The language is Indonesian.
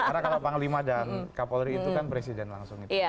karena kalau panglima dan kapolri itu kan presiden langsung